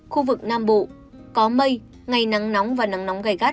khu vực nam bộ có mây ngày nắng nóng và nắng nóng gai gắt